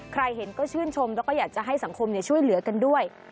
ใครเห็นก็ชื่นชมแล้วก็อยากจะให้สังคมช่วยเหลือกันด้วย